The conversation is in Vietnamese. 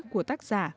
của tác giả